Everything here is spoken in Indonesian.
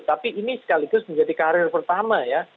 tapi ini sekaligus menjadi karir pertama ya